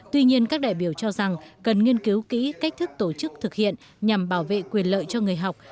tuy nhiên các đại biểu cho rằng cần nghiên cứu kỹ cách thức tổ chức thực hiện nhằm bảo vệ quyền lợi cho người học